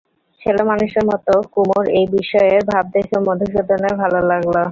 ছেলেমানুষের মতো কুমুর এই বিস্ময়ের ভাব দেখে মধুসূদনের লাগল ভালো।